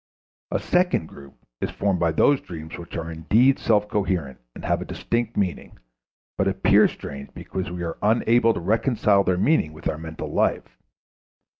A second group is formed by those dreams which are indeed self coherent and have a distinct meaning, but appear strange because we are unable to reconcile their meaning with our mental life.